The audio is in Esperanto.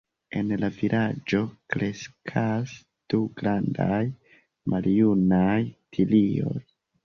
En la vilaĝo kreskas du grandaj maljunaj tilioj.